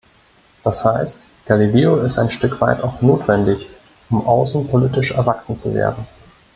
Das heißt, Galileo ist ein Stück weit auch notwendig, um außenpolitisch erwachsen zu werden.